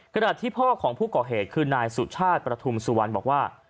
ขณะที่พ่อของผู้ก่อเหตุคือนายสุชาติประทุมสุวรรณบอกว่า